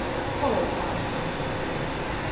Horrid Father Anselm! 6.